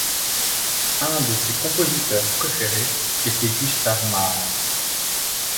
Un de ses compositeurs préférés était Gustav Mahler.